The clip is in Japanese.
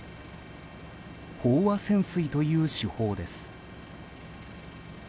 飽和潜水という手法です。